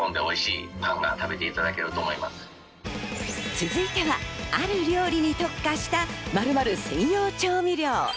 続いては、ある料理に特化した○○専用調味料。